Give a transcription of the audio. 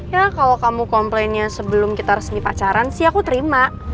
ya kalau kamu komplainnya sebelum kita resmi pacaran sih aku terima